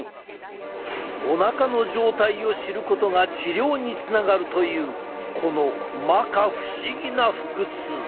おなかの状態を知ることが治療につながるというこのまか不思議な腹痛。